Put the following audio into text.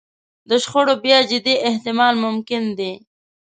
د شخړو بیا جدي احتمال ممکن دی.